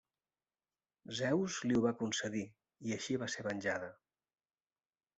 Zeus li ho va concedir, i així va ser venjada.